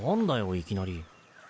いきなり。